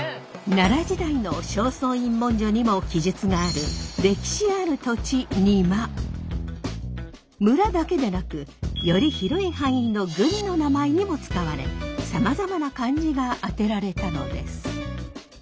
奈良時代の「正倉院文書」にも記述がある村だけでなくより広い範囲の郡の名前にも使われさまざまな漢字が当てられたのです。